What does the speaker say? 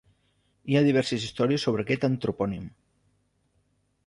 Hi ha diverses històries sobre aquest antropònim.